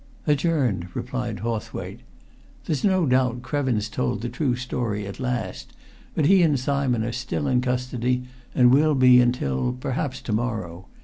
"Adjourned," replied Hawthwaite. "There's no doubt Krevin's told the true story at last, but he and Simon are still in custody and will be until, perhaps, to morrow.